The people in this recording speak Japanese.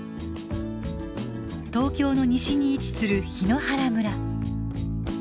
東京の西に位置する檜原村。